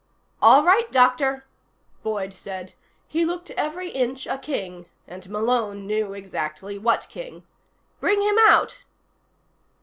"All right, Doctor," Boyd said. He looked every inch a king, and Malone knew exactly what king. "Bring him out."